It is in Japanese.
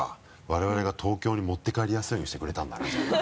我々が東京に持って帰りやすいようにしてくれたんだなじゃあな。